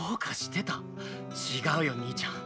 違うよ兄ちゃん。